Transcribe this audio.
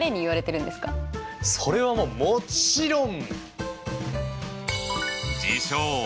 それはもちろん！